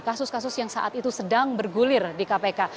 kasus kasus yang saat itu sedang bergulir di kpk